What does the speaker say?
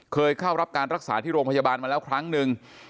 เคยเข้ารับการรักษาที่โรงพยาบาลมาแล้วครั้งหนึ่ง